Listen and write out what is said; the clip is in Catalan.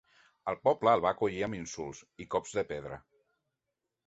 El poble el va acollir amb insults, i cops de pedra.